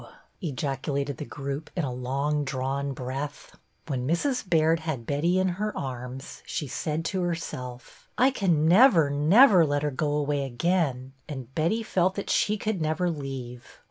ejaculated the group in a long drawn breath. When Mrs. Baird had Betty in her arms she said to herself, —" I can never, never let her go away again; " and Betty felt that she could never leave.